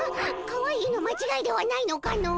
かわいいの間違いではないのかの？